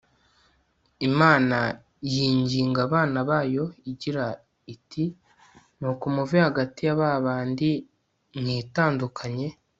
imana yinginga abana bayo igira iti nuko muve hagati ya ba bandi mwitandukanye